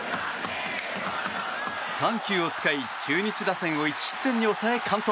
緩急を使い、中日打線を１失点に抑え、完投。